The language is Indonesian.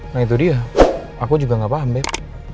nah itu dia aku juga nggak paham beb